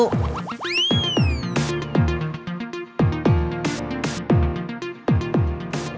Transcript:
gak ada apa apa